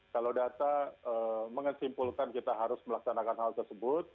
kalau data mengesimpulkan kita harus melaksanakan hal tersebut